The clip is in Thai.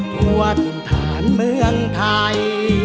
ทั่วถิ่นฐานเมืองไทย